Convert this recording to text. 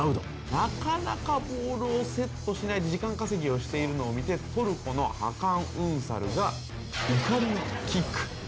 なかなかボールをセットしない時間稼ぎをしているのを見てトルコのハカン・ウンサルが怒りのキック。